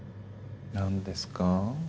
何ですか？